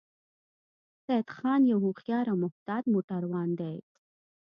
سیدخان یو هوښیار او محتاط موټروان دی